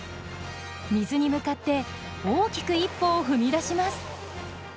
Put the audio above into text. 水に向かって大きく一歩を踏み出します。